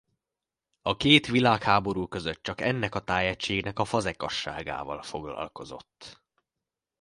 A két világháború között csak ennek a tájegységnek a fazekasságával foglalkozott.